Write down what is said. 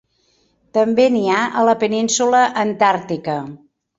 També n'hi ha a la península antàrtica.